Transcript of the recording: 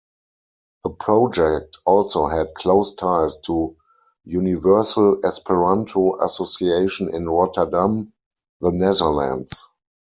The project also had close ties to Universal Esperanto Association in Rotterdam, the Netherlands.